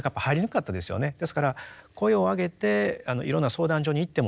ですから声を上げていろんな相談所に行ってもですね